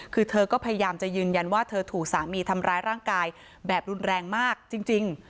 คือเธอก็พยายามจะยืนยันว่าเธอถูกสามีทำร้ายร่างกายแบบรุนแรงมากจริง